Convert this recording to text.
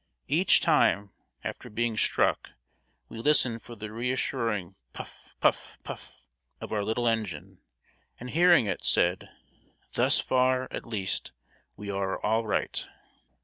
Each time, after being struck, we listened for the reassuring puff! puff! puff! of our little engine; and hearing it, said: "Thus far, at least, we are all right!"